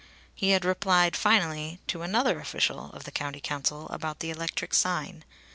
He had replied finally to another official of the County Council about the electric sign.